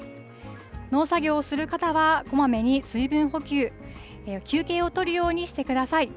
農作業をする方は、こまめに水分補給、休憩を取るようにしてください。